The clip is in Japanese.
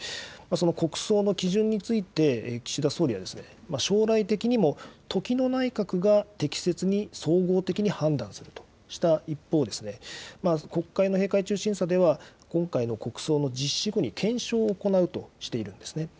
その国葬の基準について、岸田総理は、将来的にも、時の内閣が適切に総合的に判断するとした一方、国会の閉会中審査では、今回の国葬の実施後に検証を行うとしているんですね。